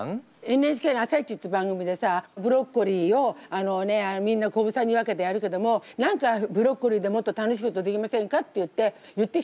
ＮＨＫの「あさイチ」って番組でさブロッコリーをあのねみんな小房に分けてやるけども「何かブロッコリーでもっと楽しいことできませんか？」って言って言ってきたの。